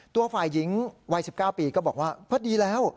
ตัวฝ่ายหญิงวัย๑๙ปีก็บอกว่าพอดีแล้ว